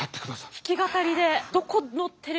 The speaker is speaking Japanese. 弾き語りで。